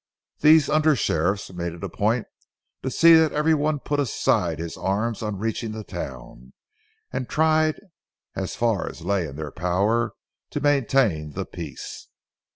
These under sheriffs made it a point to see that every one put aside his arms on reaching the town, and tried as far as lay in their power to maintain the peace.